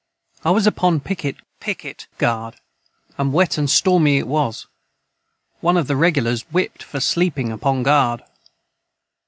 I was upon picit guard & wet and stormy it was 1 of the regalars whipt for sleping upon guard.